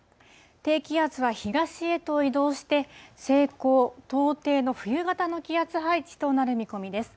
低気圧は東へと移動して、西高東低の冬型の気圧配置となる見込みです。